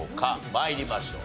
参りましょう。